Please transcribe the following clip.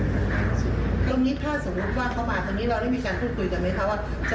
เราได้มีการคุยกันไหมคะว่า